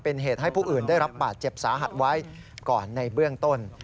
เป็นเหตุให้ผู้อื่นได้รับบาดเจ็บสาหัสไว้ก่อนในเบื้องต้น